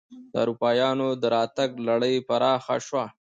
د اروپایانو دراتګ لړۍ پراخه شوه.